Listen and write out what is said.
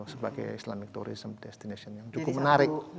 sebagai islamic tourism destination yang cukup menarik